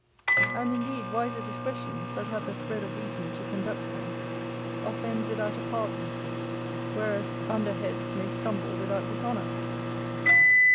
And indeed wiser discretions, that have the thread of reason to conduct them, offend without a pardon; whereas under heads may stumble without dishonour.